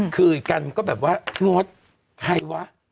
คือกันก็แบบว่างดใครวะ